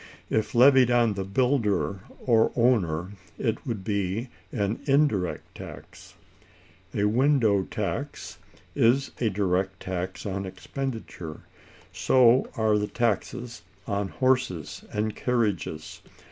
If levied on the builder or owner, it would be an indirect tax. A window tax is a direct tax on expenditure; so are the taxes on horses and carriages.